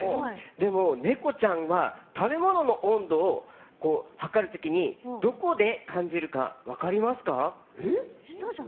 でもネコちゃんは食べ物の温度を計る時にどこで感じるか分かりますか？